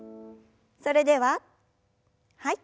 それでははい。